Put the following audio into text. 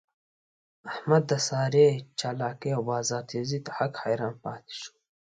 احمد د سارې چالاکی او بازار تېزۍ ته حق حیران پاتې شو.